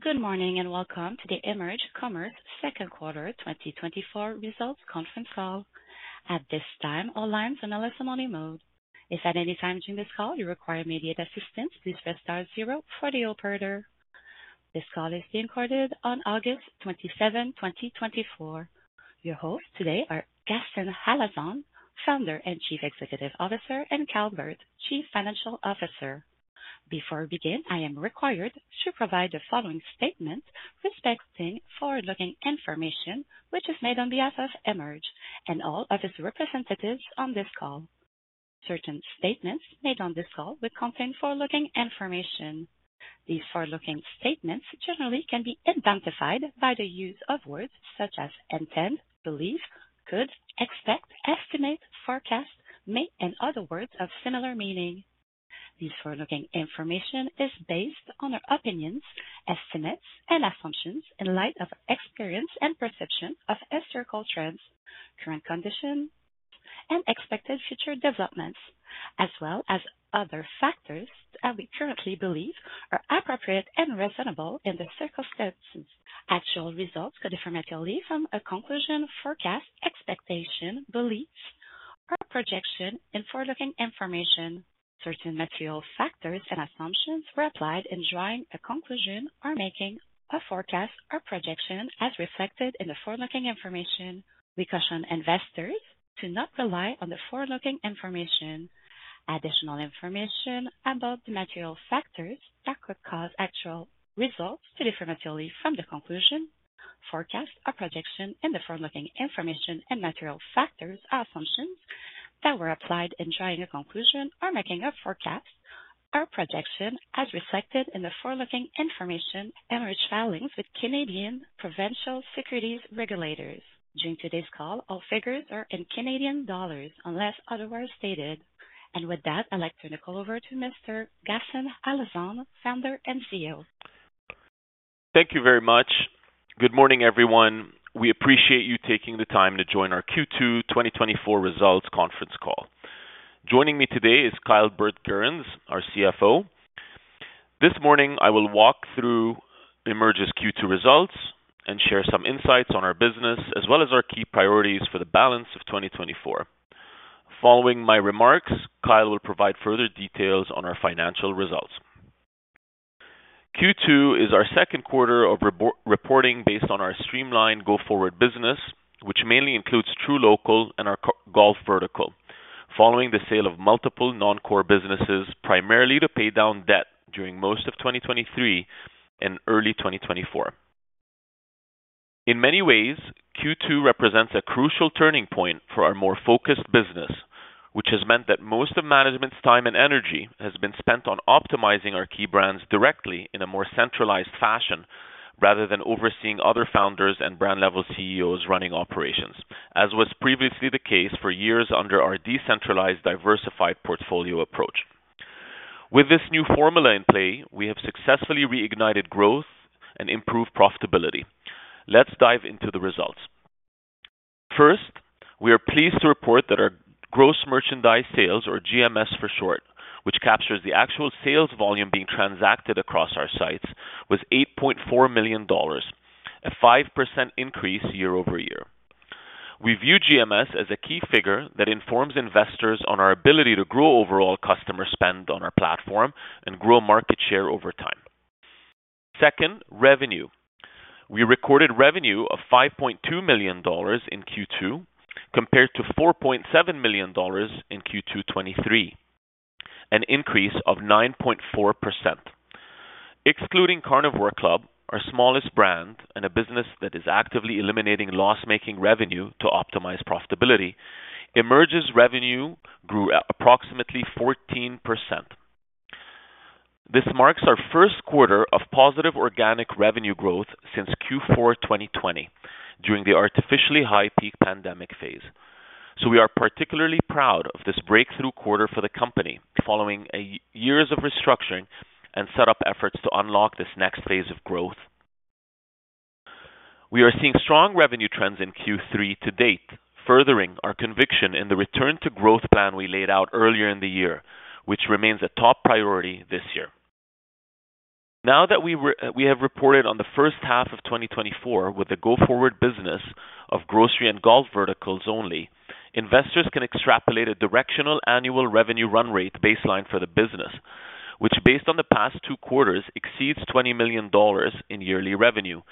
Good morning, and welcome to the Emerge Commerce second quarter 2024 results conference call. At this time, all lines on a listen-only mode. If at any time during this call you require immediate assistance, please press star zero for the operator. This call is being recorded on August 27, 2024. Your hosts today are Ghassan Halazon, Founder and Chief Executive Officer, and Kyle Burt, Chief Financial Officer. Before we begin, I am required to provide the following statement respecting forward-looking information, which is made on behalf of Emerge and all of its representatives on this call. Certain statements made on this call will contain forward-looking information. These forward-looking statements generally can be identified by the use of words such as intend, believe, could, expect, estimate, forecast, may, and other words of similar meaning. These forward-looking information is based on our opinions, estimates and assumptions in light of experience and perception of historical trends, current conditions and expected future developments, as well as other factors that we currently believe are appropriate and reasonable in the circumstances. Actual results could differ materially from a conclusion, forecast, expectation, beliefs, or projection in forward-looking information. Certain material factors and assumptions were applied in drawing a conclusion or making a forecast or projection as reflected in the forward-looking information. We caution investors to not rely on the forward-looking information. Additional information about the material factors that could cause actual results to differ materially from the conclusion, forecast or projection in the forward-looking information and material factors or assumptions that were applied in drawing a conclusion or making a forecast or projection as reflected in the forward-looking information, Emerge filings with Canadian provincial securities regulators. During today's call, all figures are in Canadian dollars unless otherwise stated. And with that, I'd like to hand over to Mr. Ghassan Halazon, Founder and CEO. Thank you very much. Good morning, everyone. We appreciate you taking the time to join our Q2 2024 results conference call. Joining me today is Kyle Burt-Gerrans, our CFO. This morning, I will walk through Emerge's Q2 results and share some insights on our business, as well as our key priorities for the balance of 2024. Following my remarks, Kyle will provide further details on our financial results. Q2 is our second quarter of our reporting based on our streamlined go-forward business, which mainly includes truLOCAL and our golf vertical. Following the sale of multiple non-core businesses, primarily to pay down debt during most of 2023 and early 2024. In many ways, Q2 represents a crucial turning point for our more focused business, which has meant that most of management's time and energy has been spent on optimizing our key brands directly in a more centralized fashion, rather than overseeing other founders and brand-level CEOs running operations, as was previously the case for years under our decentralized, diversified portfolio approach. With this new formula in play, we have successfully reignited growth and improved profitability. Let's dive into the results. First, we are pleased to report that our gross merchandise sales, or GMS for short, which captures the actual sales volume being transacted across our sites, was $8.4 million, a 5% increase year-over-year. We view GMS as a key figure that informs investors on our ability to grow overall customer spend on our platform and grow market share over time. Second, revenue. We recorded revenue of $5.2 million in Q2, compared to $4.7 million in Q2 2023, an increase of 9.4%. Excluding Carnivore Club, our smallest brand, and a business that is actively eliminating loss-making revenue to optimize profitability, Emerge's revenue grew at approximately 14%. This marks our first quarter of positive organic revenue growth since Q4 2020, during the artificially high peak pandemic phase, so we are particularly proud of this breakthrough quarter for the company following years of restructuring and set-up efforts to unlock this next phase of growth. We are seeing strong revenue trends in Q3 to date, furthering our conviction in the return to growth plan we laid out earlier in the year, which remains a top priority this year. Now that we have reported on the first half of 2024 with the go-forward business of grocery and golf verticals only, investors can extrapolate a directional annual revenue run rate baseline for the business, which, based on the past two quarters, exceeds $20 million in yearly revenue,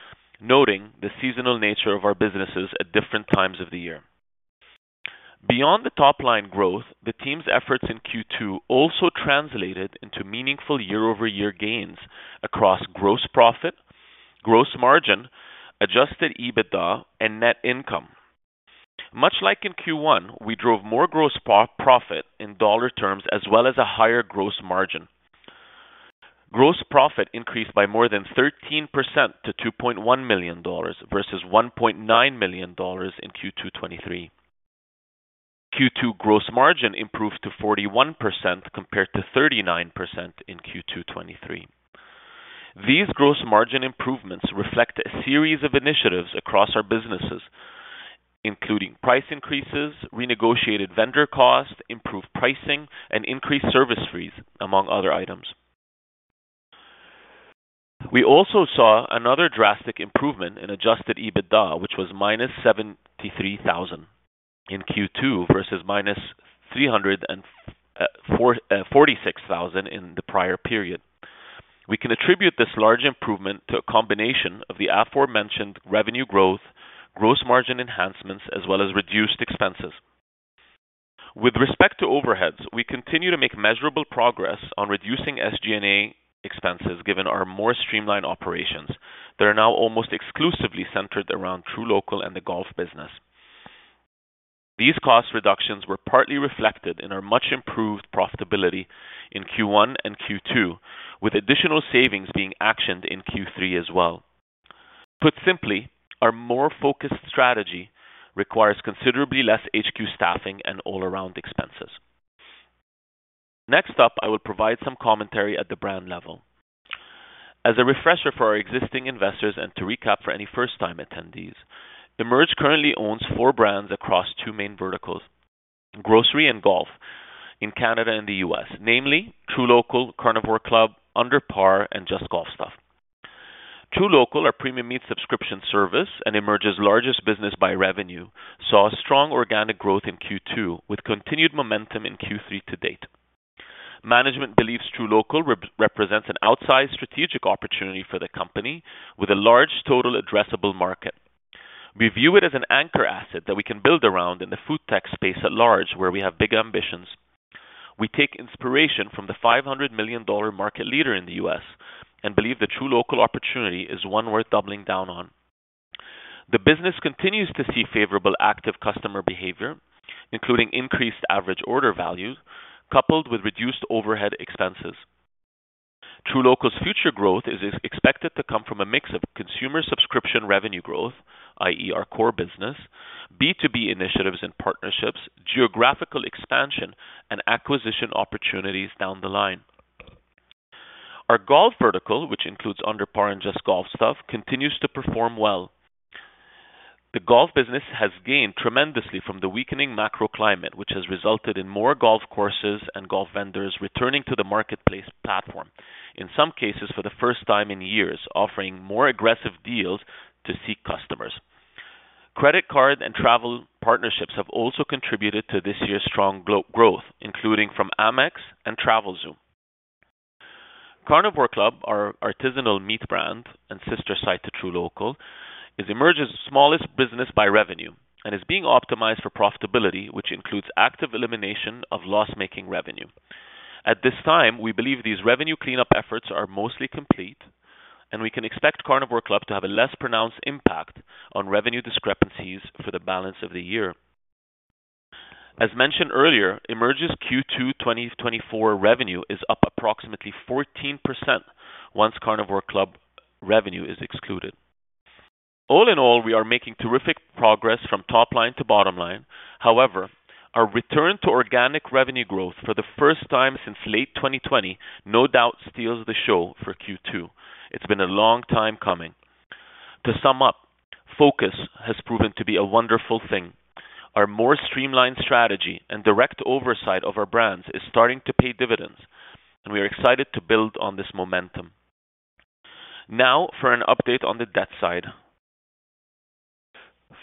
noting the seasonal nature of our businesses at different times of the year. Beyond the top-line growth, the team's efforts in Q2 also translated into meaningful year-over-year gains across gross profit, gross margin, Adjusted EBITDA, and net income. Much like in Q1, we drove more gross profit in dollar terms, as well as a higher gross margin. Gross profit increased by more than 13% to $2.1 million versus $1.9 million in Q2 2023. Q2 gross margin improved to 41%, compared to 39% in Q2 2023. These gross margin improvements reflect a series of initiatives across our businesses, including price increases, renegotiated vendor costs, improved pricing, and increased service fees, among other items. We also saw another drastic improvement in Adjusted EBITDA, which was -73,000 in Q2 versus -346,000 in the prior period. We can attribute this large improvement to a combination of the aforementioned revenue growth, gross margin enhancements, as well as reduced expenses. With respect to overheads, we continue to make measurable progress on reducing SG&A expenses, given our more streamlined operations that are now almost exclusively centered around truLOCAL and the golf business. These cost reductions were partly reflected in our much-improved profitability in Q1 and Q2, with additional savings being actioned in Q3 as well. Put simply, our more focused strategy requires considerably less HQ staffing and all-around expenses. Next up, I will provide some commentary at the brand level. As a refresher for our existing investors and to recap for any first-time attendees, Emerge currently owns four brands across two main verticals, grocery and golf, in Canada and the U.S., namely truLOCAL, Carnivore Club, UnderPar, and JustGolfStuff. truLOCAL, our premium meat subscription service and Emerge's largest business by revenue, saw strong organic growth in Q2, with continued momentum in Q3 to date. Management believes truLOCAL represents an outsized strategic opportunity for the company with a large total addressable market. We view it as an anchor asset that we can build around in the food tech space at large, where we have big ambitions. We take inspiration from the $500 million market leader in the U.S. and believe the truLOCAL opportunity is one worth doubling down on. The business continues to see favorable active customer behavior, including increased average order values, coupled with reduced overhead expenses. truLOCAL's future growth is expected to come from a mix of consumer subscription revenue growth, i.e., our core business, B2B initiatives and partnerships, geographical expansion, and acquisition opportunities down the line. Our golf vertical, which includes UnderPar and JustGolfStuff, continues to perform well. The golf business has gained tremendously from the weakening macro climate, which has resulted in more golf courses and golf vendors returning to the marketplace platform, in some cases for the first time in years, offering more aggressive deals to seek customers. Credit card and travel partnerships have also contributed to this year's strong growth, including from Amex and Travelzoo. Carnivore Club, our artisanal meat brand and sister site to truLOCAL, is Emerge's smallest business by revenue and is being optimized for profitability, which includes active elimination of loss-making revenue. At this time, we believe these revenue cleanup efforts are mostly complete, and we can expect Carnivore Club to have a less pronounced impact on revenue discrepancies for the balance of the year. As mentioned earlier, Emerge's Q2 2024 revenue is up approximately 14% once Carnivore Club revenue is excluded. All in all, we are making terrific progress from top line to bottom line. However, our return to organic revenue growth for the first time since late 2020, no doubt steals the show for Q2. It's been a long time coming. To sum up, focus has proven to be a wonderful thing. Our more streamlined strategy and direct oversight of our brands is starting to pay dividends, and we are excited to build on this momentum. Now for an update on the debt side.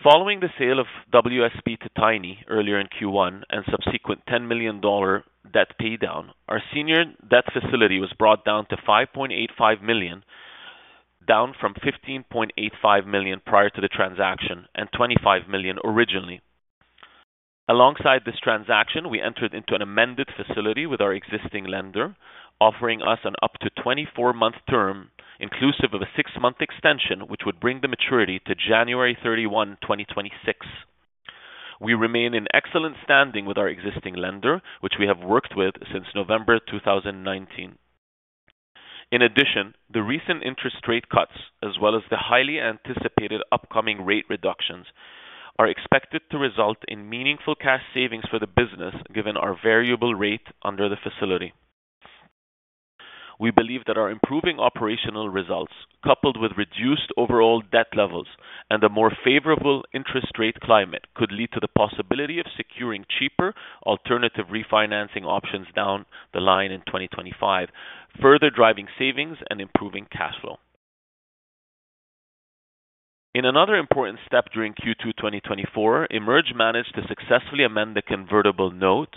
Following the sale of WSP to Tiny earlier in Q1 and subsequent 10 million dollar debt paydown, our senior debt facility was brought down to 5.85 million, down from 15.85 million prior to the transaction and 25 million originally. Alongside this transaction, we entered into an amended facility with our existing lender, offering us an up to 24-month term, inclusive of a six-month extension, which would bring the maturity to January 31, 2026. We remain in excellent standing with our existing lender, which we have worked with since November 2019. In addition, the recent interest rate cuts, as well as the highly anticipated upcoming rate reductions, are expected to result in meaningful cash savings for the business, given our variable rate under the facility. We believe that our improving operational results, coupled with reduced overall debt levels and a more favorable interest rate climate, could lead to the possibility of securing cheaper alternative refinancing options down the line in 2025, further driving savings and improving cash flow. In another important step during Q2, 2024, Emerge managed to successfully amend the convertible note,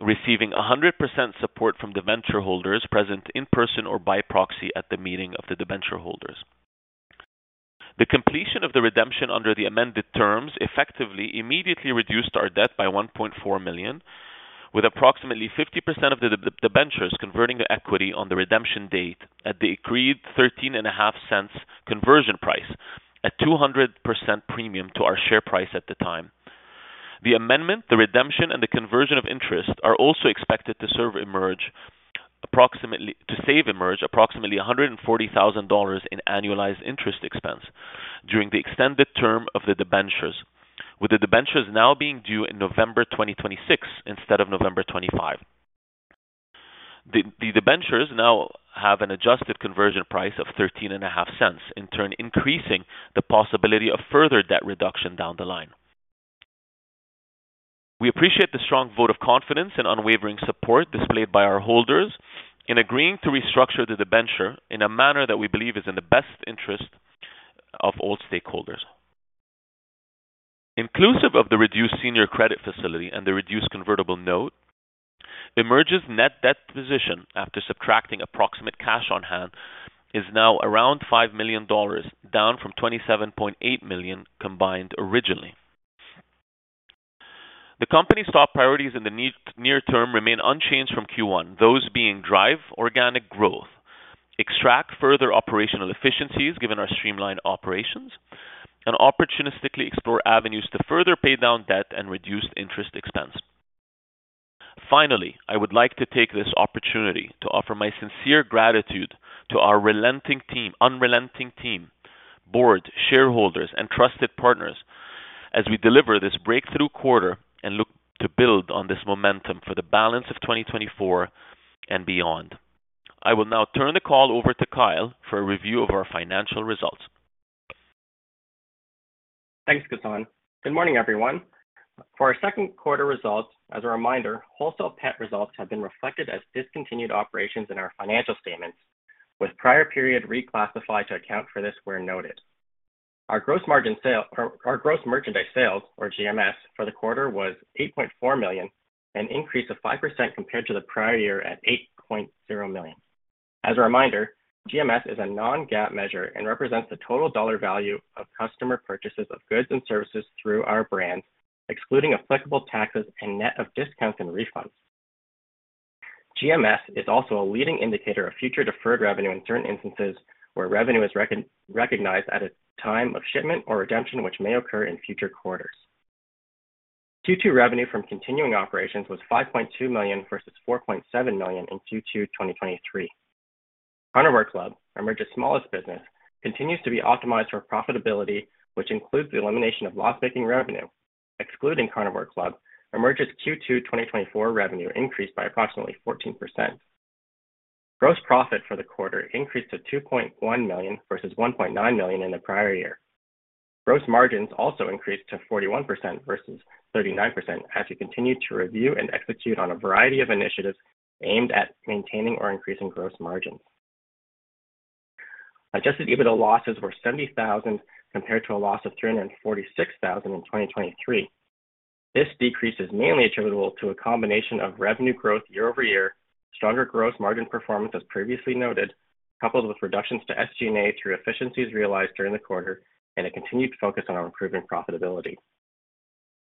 receiving 100% support from debenture holders present in person or by proxy at the meeting of the debenture holders. The completion of the redemption under the amended terms effectively immediately reduced our debt by 1.4 million, with approximately 50% of the debentures converting to equity on the redemption date at the agreed 13.5 conversion price at 200% premium to our share price at the time. The amendment, the redemption, and the conversion of interest are also expected to save Emerge approximately $140,000 in annualized interest expense during the extended term of the debentures, with the debentures now being due in November 2026 instead of November 2025. The debentures now have an adjusted conversion price of 13.5, in turn, increasing the possibility of further debt reduction down the line. We appreciate the strong vote of confidence and unwavering support displayed by our holders in agreeing to restructure the debenture in a manner that we believe is in the best interest of all stakeholders. Inclusive of the reduced senior credit facility and the reduced convertible note, Emerge's net debt position, after subtracting approximate cash on hand, is now around $5 million, down from 27.8 million combined originally. The company's top priorities in the near term remain unchanged from Q1. Those being drive organic growth, extract further operational efficiencies given our streamlined operations, and opportunistically explore avenues to further pay down debt and reduce interest expense. Finally, I would like to take this opportunity to offer my sincere gratitude to our relenting team, unrelenting team, board, shareholders and trusted partners as we deliver this breakthrough quarter and look to build on this momentum for the balance of 2024 and beyond. I will now turn the call over to Kyle for a review of our financial results. Thanks, Ghassan. Good morning, everyone. For our second quarter results, as a reminder, WholesalePet results have been reflected as discontinued operations in our financial statements, with prior period reclassified to account for this where noted. Our gross merchandise sales, or GMS, for the quarter was 8.4 million, an increase of 5% compared to the prior year at 8.0 million. As a reminder, GMS is a non-GAAP measure and represents the total dollar value of customer purchases of goods and services through our brands, excluding applicable taxes and net of discounts and refunds. GMS is also a leading indicator of future deferred revenue in certain instances where revenue is recognized at a time of shipment or redemption, which may occur in future quarters. Q2 revenue from continuing operations was 5.2 million versus 4.7 million in Q2 2023. Carnivore Club, Emerge's smallest business, continues to be optimized for profitability, which includes the elimination of loss-making revenue. Excluding Carnivore Club, Emerge's Q2 2024 revenue increased by approximately 14%. Gross profit for the quarter increased to 2.1 million versus 1.9 million in the prior year. Gross margins also increased to 41% versus 39% as we continued to review and execute on a variety of initiatives aimed at maintaining or increasing gross margins. Adjusted EBITDA losses were 70,000, compared to a loss of 346,000 in 2023. This decrease is mainly attributable to a combination of revenue growth year over year, stronger gross margin performance as previously noted, coupled with reductions to SG&A through efficiencies realized during the quarter and a continued focus on improving profitability.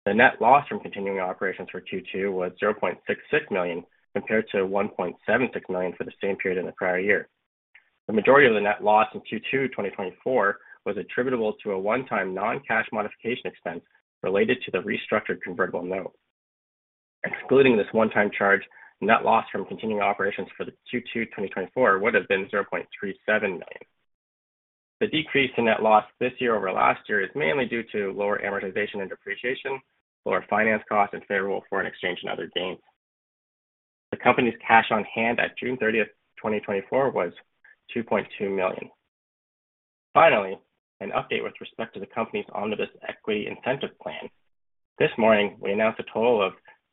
The net loss from continuing operations for Q2 was 0.66 million, compared to 1.76 million for the same period in the prior year. The majority of the net loss in Q2 2024 was attributable to a one-time non-cash modification expense related to the restructured convertible note. Excluding this one-time charge, net loss from continuing operations for the Q2 2024 would have been 0.37 million. The decrease in net loss this year over last year is mainly due to lower amortization and depreciation, lower finance costs, and favorable foreign exchange and other gains. The company's cash on hand at June 30, 2024 was 2.2 million. Finally, an update with respect to the company's Omnibus Equity Incentive Plan. This morning, we announced a total of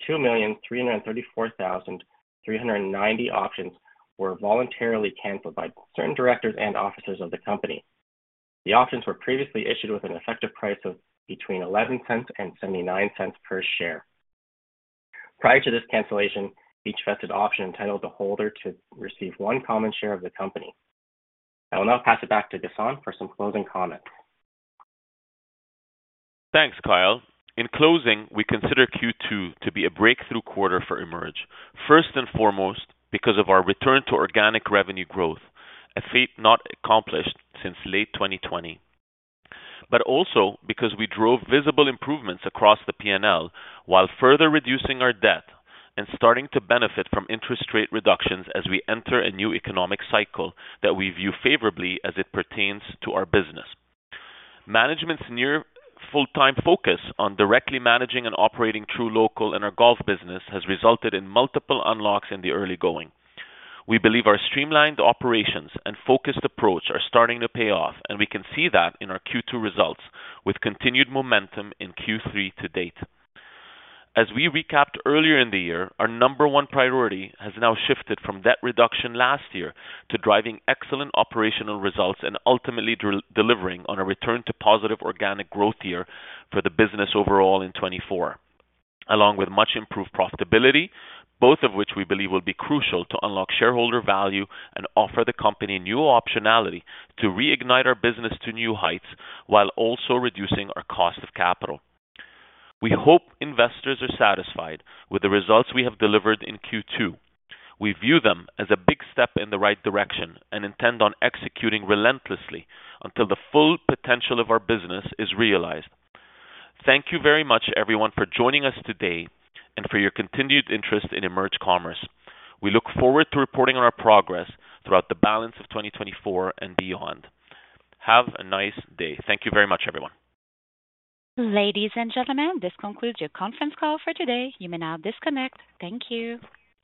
2,334,390 options were voluntarily canceled by certain directors and officers of the company. The options were previously issued with an effective price of between 0.11 and 0.79 per share. Prior to this cancellation, each vested option entitled the holder to receive one common share of the company. I will now pass it back to Ghassan for some closing comments. Thanks, Kyle. In closing, we consider Q2 to be a breakthrough quarter for Emerge. First and foremost, because of our return to organic revenue growth, a feat not accomplished since late 2020, but also because we drove visible improvements across the P&L while further reducing our debt and starting to benefit from interest rate reductions as we enter a new economic cycle that we view favorably as it pertains to our business. Management's near full-time focus on directly managing and operating truLOCAL and our golf business has resulted in multiple unlocks in the early going. We believe our streamlined operations and focused approach are starting to pay off, and we can see that in our Q2 results, with continued momentum in Q3 to date. As we recapped earlier in the year, our number one priority has now shifted from debt reduction last year to driving excellent operational results and ultimately delivering on a return to positive organic growth year for the business overall in 2024, along with much improved profitability, both of which we believe will be crucial to unlock shareholder value and offer the company new optionality to reignite our business to new heights while also reducing our cost of capital. We hope investors are satisfied with the results we have delivered in Q2. We view them as a big step in the right direction and intend on executing relentlessly until the full potential of our business is realized. Thank you very much, everyone, for joining us today and for your continued interest in Emerge Commerce. We look forward to reporting on our progress throughout the balance of 2024 and beyond. Have a nice day. Thank you very much, everyone. Ladies and gentlemen, this concludes your conference call for today. You may now disconnect. Thank you.